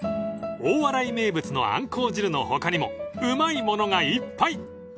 ［大洗名物のあんこう汁の他にもうまいものがいっぱい！］